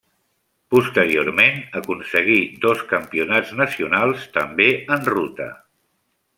Posteriorment aconseguí dos campionats nacionals també en ruta.